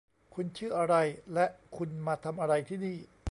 คุณชื่ออะไร และคุณมาทำอะไรที่นี่